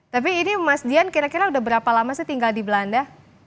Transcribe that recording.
tapi ini mas dian kira kira udah berapa lama sih tinggal di belanda